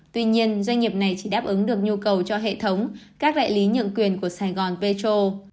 tuy nhiên doanh nghiệp này chỉ đáp ứng được nhu cầu cho hệ thống các đại lý nhượng quyền của sài gòn petro